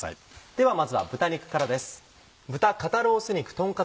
ではまずは豚肉からです。